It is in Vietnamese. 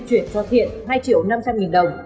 chuyển cho thiện hai triệu năm trăm linh nghìn đồng